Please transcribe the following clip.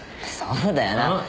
そうだよな。